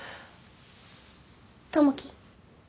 ・友樹。